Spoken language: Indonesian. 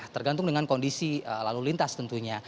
tergantung dengan kondisi lalu lintas tentunya